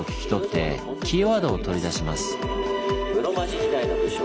室町時代の武将